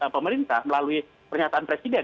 pemerintah melalui pernyataan presiden